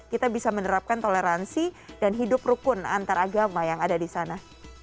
kita bisa menerapkan toleransi dan hidup rukun antar agama yang ada di sana